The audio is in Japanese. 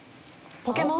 『ポケモン』？